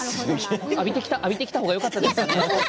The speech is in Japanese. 浴びてきた方がよかったですかね。